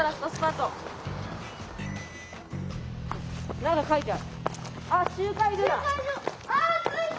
何か書いてある。